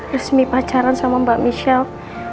resmi pacaran sama mbak michelle